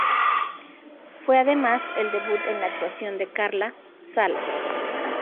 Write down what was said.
Fue además el debut en la actuación de Carla Sala.